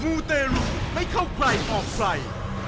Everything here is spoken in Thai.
มูเตร็จไม่เข้าใกล้ออกไฟ